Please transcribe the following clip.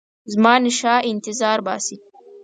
زمانشاه انتظار باسي.